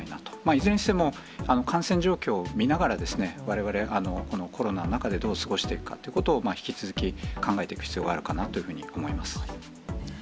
いずれにしても、感染状況を見ながら、われわれ、このコロナの中で、どう過ごしていくかということを引き続き考えていく必要があるかなというふうに思います。